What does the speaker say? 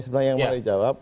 sebenarnya yang mau dijawab